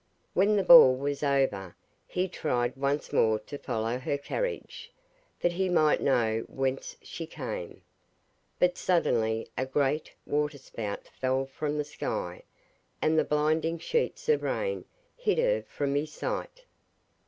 When the ball was over he tried once more to follow her carriage, that he might know whence she came, but suddenly a great waterspout fell from the sky, and the blinding sheets of rain hid her from his sight.